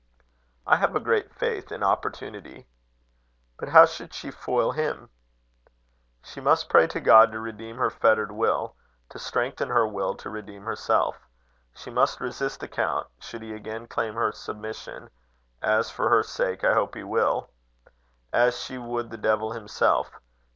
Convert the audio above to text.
"I have a great faith in opportunity." "But how should she foil him?" "She must pray to God to redeem her fettered will to strengthen her will to redeem herself. She must resist the count, should he again claim her submission (as, for her sake, I hope he will), as she would the devil himself.